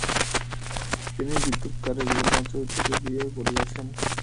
তিনি বিদ্রুপাকারে বিভিন্ন চরিত্রকে দিয়ে বলিয়েছেন।